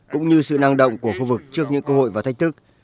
cũng như sự năng động của khu vực trước những cơ hội và thách thức